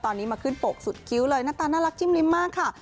ตอนนี้มาขึ้นปกสุดคิ้วเลยหน้าตาน่ารักจิ้มลิ้มมากค่ะ